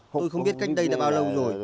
tôi không biết cách đây đã bao lâu rồi